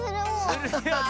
するよね。